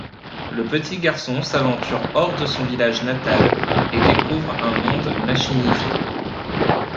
Un petit garçon s'aventure hors de son village natal et découvre un monde machinisé.